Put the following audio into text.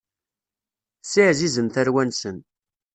Ssiɛzizen tarwan-nsen.